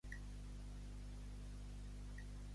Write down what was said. No s'ha pogut conservar cap exemplar de la classe.